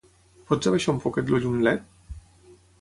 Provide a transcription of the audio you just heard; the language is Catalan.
Pots abaixar un poquet el llum led?